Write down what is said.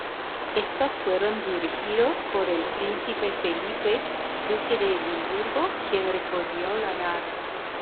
Estos fueron dirigidos por el Príncipe Felipe, Duque de Edimburgo, quien recorrió la nave.